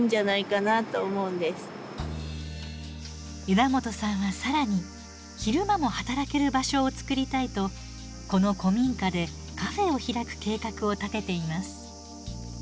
枝元さんは更に昼間も働ける場所を作りたいとこの古民家でカフェを開く計画を立てています。